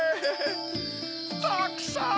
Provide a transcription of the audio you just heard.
たくさん！